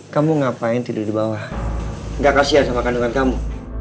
kamu ngapain tidur di bawah nggak kasian sama kandungan kamu